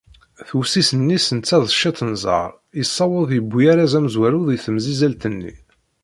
S wussisen-is netta d ciṭ n ẓẓher, yessaweḍ yewwi arraz amezwaru deg temzizelt-nni.